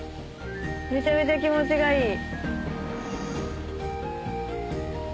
めちゃめちゃ気持ちがいい。